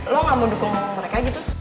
lo gak mau dukung mereka gitu